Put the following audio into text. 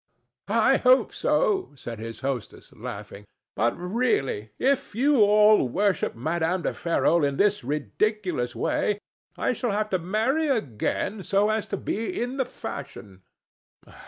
"I hope so," said his hostess, laughing. "But really, if you all worship Madame de Ferrol in this ridiculous way, I shall have to marry again so as to be in the fashion."